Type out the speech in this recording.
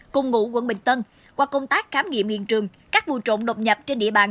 cùng ngụ quận bình tân qua công tác khám nghiệm hiện trường các vụ trộm độc nhập trên địa bàn